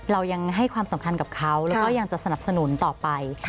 เรายังให้ความสำคัญกับเขาแล้วก็ยังจะสนับสนุนต่อไป